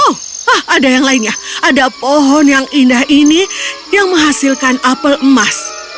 oh ada yang lainnya ada pohon yang indah ini yang menghasilkan apel emas